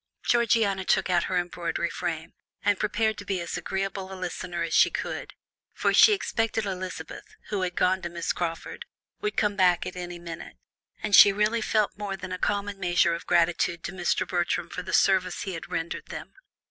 Georgiana took out her embroidery frame, and prepared to be as agreeable a listener as she could, for she expected Elizabeth, who had gone to Miss Crawford, would come back at any minute, and she really felt more than a common measure of gratitude to Mr. Bertram for the service he had rendered them.